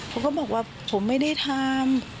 เขาก็บอกว่าผมไม่ได้ทำ